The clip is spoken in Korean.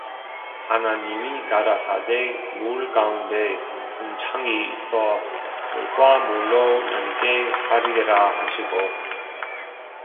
하나님이 가라사대 물 가운데 궁창이 있어 물과 물로 나뉘게 하리라 하시고